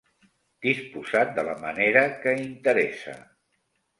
Disposat de la manera que interessa.